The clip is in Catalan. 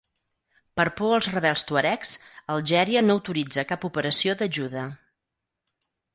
Per por als rebels tuaregs, Algèria no autoritza cap operació d'ajuda.